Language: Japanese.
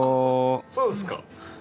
そうですか。